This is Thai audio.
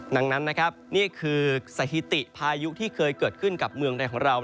ดังนั้นนะครับนี่คือสถิติพายุที่เคยเกิดขึ้นกับเมืองใดของเรา